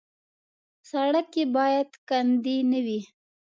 سړک کې باید کندې نه وي.